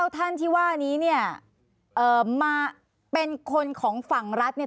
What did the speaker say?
ท่านที่ว่านี้เนี่ยมาเป็นคนของฝั่งรัฐเนี่ย